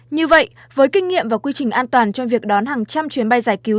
như vậy với kinh nghiệm và quy trình an toàn cho việc đón hàng trăm chuyến bay giải cứu